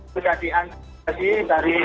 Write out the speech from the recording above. sudah diantar lagi dari